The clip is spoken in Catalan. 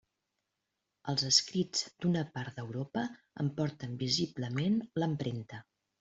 Els escrits d'una part d'Europa en porten visiblement l'empremta.